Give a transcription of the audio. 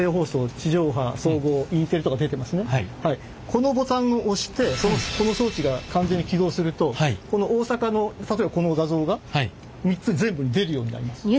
このボタンを押してこの装置が完全に起動すると大阪の例えばこの画像が３つ全部に出るようになります。